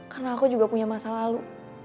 karena aku juga punya masa lalu